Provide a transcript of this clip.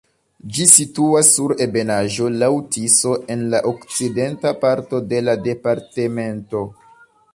Ĝi situas sur ebenaĵo laŭ Tiso en la okcidenta parto de la departemento.